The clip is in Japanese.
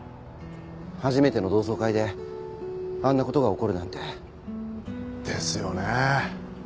初めての同窓会であんな事が起こるなんて。ですよね。